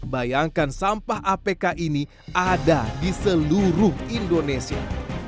bayangkan sampah apk ini ada di seluruh indonesia